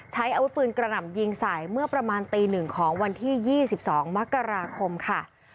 ใช้อาวุธปืนกระหน่ำยิงใส่เมื่อประมาณตี๑ของวันที่๒๒มกราคมค่ะ